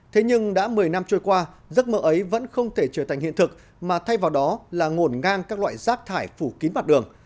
thế nhưng đã một mươi năm trôi qua giấc mơ ấy vẫn không thể trở thành hiện thực mà thay vào đó là ngổn ngang các loại rác thải phủ kín mặt đường